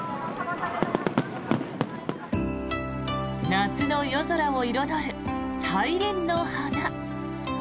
夏の夜空を彩る大輪の花。